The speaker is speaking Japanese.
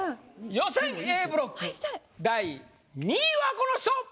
予選Ａブロック第２位はこの人！